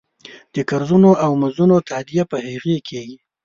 د قرضونو او مزدونو تادیه په هغې کېږي.